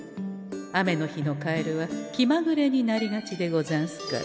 雨の日のカエルはきまぐれになりがちでござんすから。